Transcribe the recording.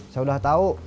saya udah tau